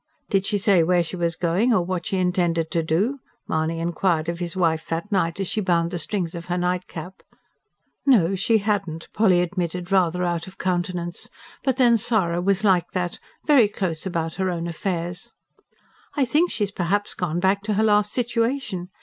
"Did she say where she was going, or what she intended to do?" Mahony inquired of his wife that night as she bound the strings of her nightcap. No, she hadn't, Polly admitted, rather out of countenance. But then Sara was like that very close about her own affairs. "I think she's perhaps gone back to her last situation.